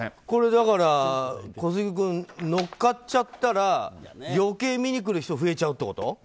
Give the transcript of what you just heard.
これだから、小杉君乗っかっちゃったら余計に見に来る人が増えちゃうってこと？